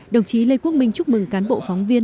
đồng chí lê quốc minh chúc mừng cán bộ phóng viên